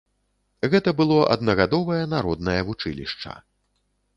Гэта было аднагадовае народнае вучылішча.